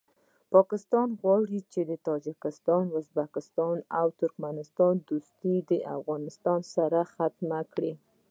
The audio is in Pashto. پاکستان غواړي چې د تاجکستان ازبکستان او ترکمستان دوستي د افغانستان سره ختمه کړي